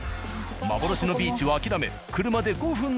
幻のビーチは諦め